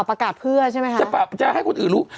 แต่เนี่ยอย่าให้คนอื่นรู้